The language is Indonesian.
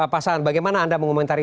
pak saan bagaimana anda mengomentari